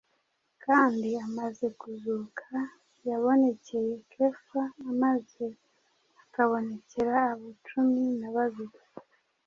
kandi amaze kuzuka “yabonekeye kefa maze akabonekera abo cumi na babiri,